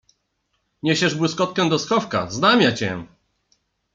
— Niesiesz błyskotkę do schowka, znam ja cię!